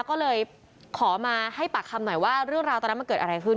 ก็เลยขอมาให้ปากคำหน่อยว่าเรื่องราวตอนนั้นมันเกิดอะไรขึ้น